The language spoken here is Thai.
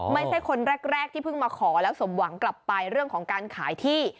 ไม่ใช่คนแรกที่เพิ่งมาขอแล้วสมหวังกลับไปเรื่องของการขายที่